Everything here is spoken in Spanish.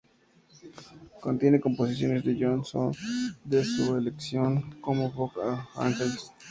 Contiene composiciones de John Zorn de su colección "Book of Angels".